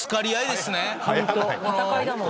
戦いだもんね。